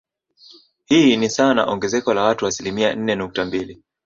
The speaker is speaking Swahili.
Hii ni sawa na ongezeko la watu asilimia nne nukta mbili